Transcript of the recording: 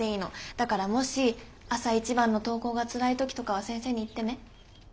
だからもし朝一番の登校がつらい時とかは先生に言ってね。